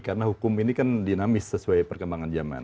karena hukum ini kan dinamis sesuai perkembangan zaman